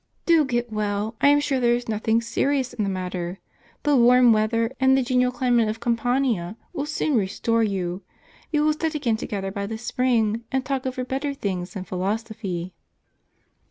" Do get well : I am sure tlifere is nothing serious in the matter; the warm weather, and the genial climate of Campa nia, will soon restore you. We will sit again together by the spring, and talk over better things than philosophy."